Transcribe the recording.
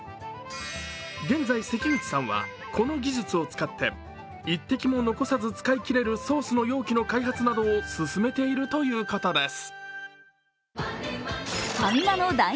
現在、関口さんはこの技術を使って一滴も残さず使い切れるソースの容器の開発などを進めているということです。